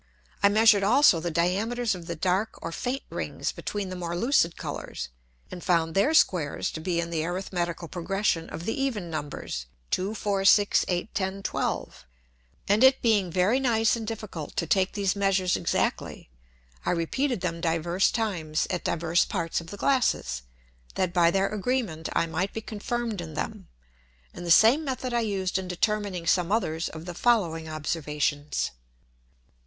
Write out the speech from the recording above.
I measured also the Diameters of the dark or faint Rings between the more lucid Colours, and found their Squares to be in the arithmetical Progression of the even Numbers, 2, 4, 6, 8, 10, 12. And it being very nice and difficult to take these measures exactly; I repeated them divers times at divers parts of the Glasses, that by their Agreement I might be confirmed in them. And the same method I used in determining some others of the following Observations.